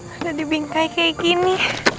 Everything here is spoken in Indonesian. ada di bingkai kayak gini